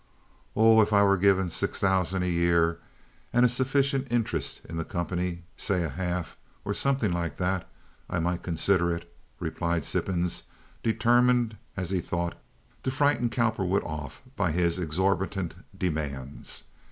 "Oh, if I were given six thousand a year and a sufficient interest in the company—say, a half, or something like that—I might consider it," replied Sippens, determined, as he thought, to frighten Cowperwood off by his exorbitant demands.